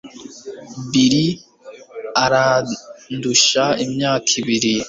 bill arandusha imyaka ibiri